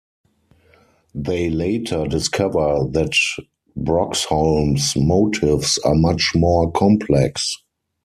They later discover that Broxholm's motives are much more complex.